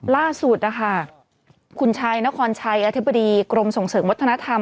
ล่าสุดนะคะคุณชัยนครชัยอธิบดีกรมส่งเสริมวัฒนธรรม